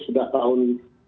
sudah tahun dua ribu dua belas